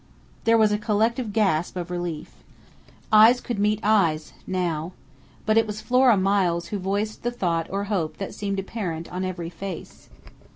_" There was a collective gasp of relief. Eyes could meet eyes now. But it was Flora Miles who voiced the thought or hope that seemed apparent on every face.